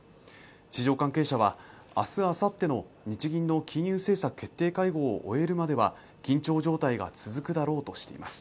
市場関係者は明日あさっての日銀の金融政策決定会合を終えるまでは緊張状態が続くだろうとしています